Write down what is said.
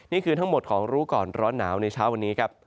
นี่คือทั้งหมดของรู้ก่อนร้อนหนาวในเช้าวันนี้ครับ